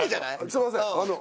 すいませんあの。